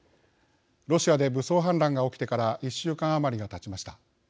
ロシアで武装反乱が起きてから１週間余りがたちました。